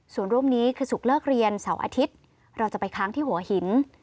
ส่วนร่วมนี้คือศุกร์เลิกเรียนเสาร์อาทิตย์เราจะไปค้างที่หัวหิน